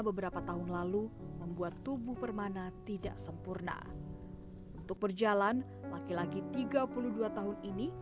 beberapa tahun lalu membuat tubuh permana tidak sempurna untuk berjalan laki laki tiga puluh dua tahun ini